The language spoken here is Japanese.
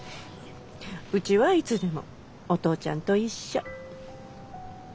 うちはいつでもお父ちゃんと一緒。